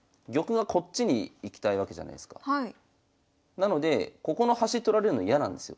なのでここの端取られるの嫌なんですよ。